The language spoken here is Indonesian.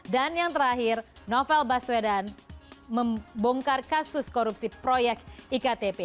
dan yang terakhir novel baswedan membongkar kasus korupsi proyek iktp